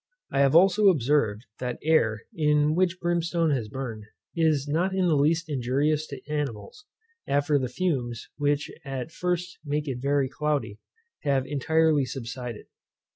I have also observed, that air, in which brimstone has burned, is not in the least injurious to animals, after the fumes, which at first make it very cloudy, have intirely subsided.